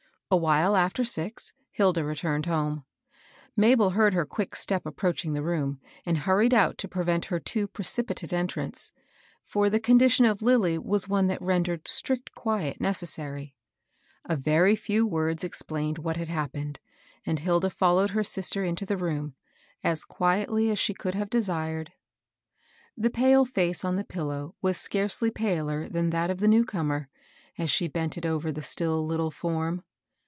A while after six, Hilda returned home. Ma bel heard her quick step approaching the room, and hurried out to prevent her too precipitate entrance ; for th^ condition of Lilly was one that rendered strict quiet necessary. A very few words explained what had happened, and Hilda followed her sister into the room, as quietly as she could have desired. The pale face on the pillow was scarcely paler than that of the new comer, as she bent it over the still Uttle form.